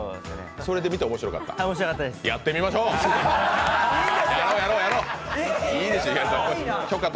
それで見て面白かったと？